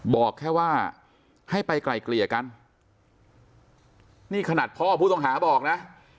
บอกแค่ว่าให้ไปไกลเกลี่ยกันนี่ขนาดพ่อผู้ต้องหาบอกนะ